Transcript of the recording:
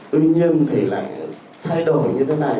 tuy nhiên thì lại thay đổi như thế này